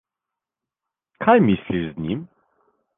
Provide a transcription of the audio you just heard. Kaj misliš z njim?